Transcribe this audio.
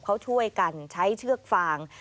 เขาช่วยกันใช้เชือกฟาง